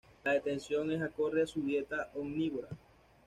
La dentición es acorde a su dieta omnívora.